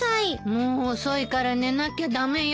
もう遅いから寝なきゃ駄目よ。